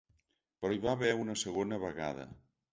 Però hi va haver una segona vegada.